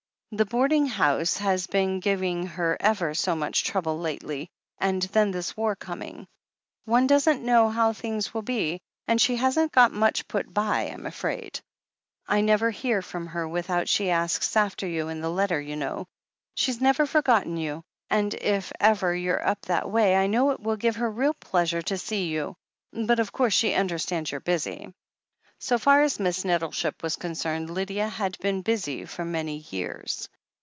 The boarding house has been giving her ever so much trouble lately — and then this war coming. One doesn't know how things will be, and she hasn't got much put by, I'm afraid. I never hear from her without she asks after you in the letter, you know. She's never forgotten you, and if ever you're up that way, I know it will give her real pleasure to see you. But, of course, she under stands you're busy." So far as Miss Nettleship was concerned, Lydia had been busy for many years.